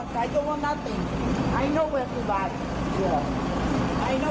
ไปไหนไปไหน